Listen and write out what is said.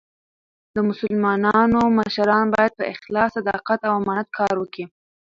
د مسلمانانو مشران باید په اخلاص، صداقت او امانت کار وکي.